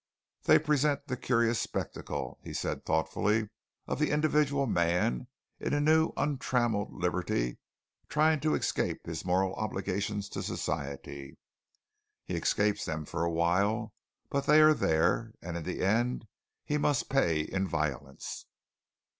"They present the curious spectacle," said he thoughtfully, "of the individual man in a new untrammelled liberty trying to escape his moral obligations to society. He escapes them for a while, but they are there; and in the end he must pay in violence."